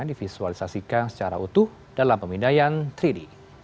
divisualisasikan secara utuh dalam pemindaian tiga d